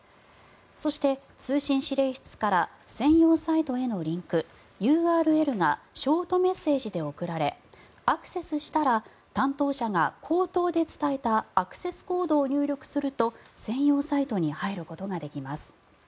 そして通信指令室から専用サイトへのリンク、ＵＲＬがショートメッセージで送られアクセスしたら担当者が口頭で伝えたアクセスコードを入力すると専用サイトに入ることができます。